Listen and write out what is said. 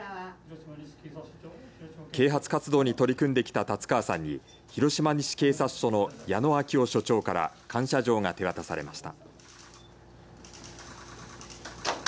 啓発活動に取り組んできた達川さんに広島西警察署の矢野明男署長から感謝状が手渡されました。